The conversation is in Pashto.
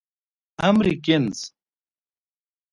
امريکنز.